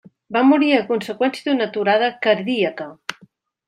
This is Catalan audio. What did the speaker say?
Va morir a conseqüència d'una aturada cardíaca.